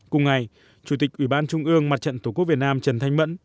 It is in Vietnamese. cùng ngày chủ tịch ủy ban trung ương mặt trận tổ quốc việt nam trần thanh mẫn